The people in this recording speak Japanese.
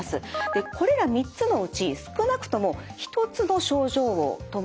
これら３つのうち少なくとも一つの症状を伴います。